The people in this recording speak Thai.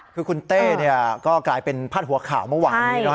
คือคุณเต้ก็กลายเป็นพาดหัวข่าวเมื่อวานนี้